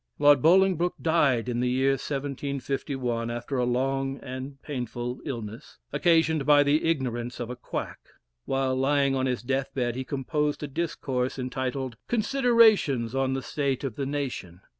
Lord Bolingbroke died in the year 1751, after a long and painful illness, occasioned by the ignorance of a quack. While lying on his death bed he composed a discourse, entitled "Considerations on the State of the Nation."